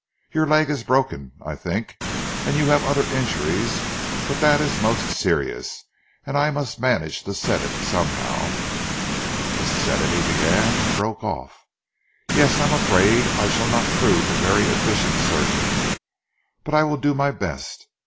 Your leg is broken, I think, and you have other injuries, but that is most serious, and I must manage to set it, somehow." "To set it " he began, and broke off. "Yes! I am afraid I shall not prove a very efficient surgeon; but I will do my best.